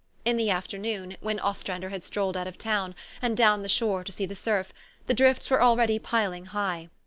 In the afternoon, when Ostrander had strolled out of town, and down the shore to see the surf, the drifts were already piling high.